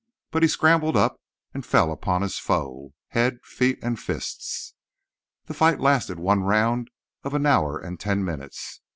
But he scrambled up and fell upon his foe, head, feet and fists. The fight lasted one round of an hour and ten minutes.